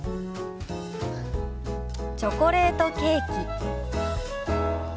「チョコレートケーキ」。